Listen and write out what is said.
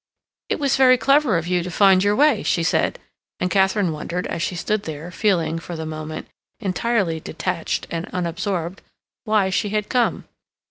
"It was very clever of you to find your way," she said, and Katharine wondered, as she stood there, feeling, for the moment, entirely detached and unabsorbed, why she had come.